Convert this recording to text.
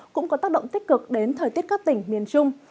cũng có tác động tích cực đến thời tiết các tỉnh miền trung